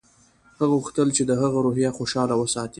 هغه غوښتل چې د هغه روحیه خوشحاله وساتي